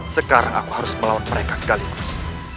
sekarang aku harus melawan mereka sekaligus